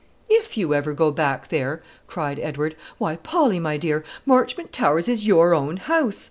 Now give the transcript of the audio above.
"If you ever go back there!" cried Edward. "Why, Polly, my dear, Marchmont Towers is your own house.